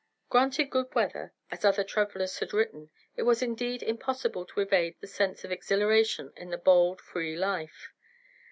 Granted good weather, as other travelers had written, it was indeed impossible to evade the sense of exhilaration in the bold, free life.